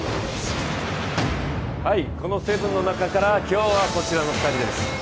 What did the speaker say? この７の中から、今日はこちらの２人です。